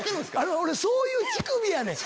俺そういう乳首やねん。